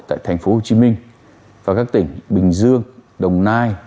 tại thành phố hồ chí minh và các tỉnh bình dương đồng nai lòng an